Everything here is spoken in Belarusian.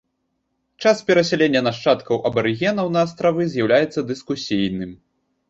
Час перасялення нашчадкаў абарыгенаў на астравы з'яўляецца дыскусійным.